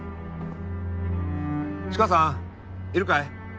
チカさんいるかい？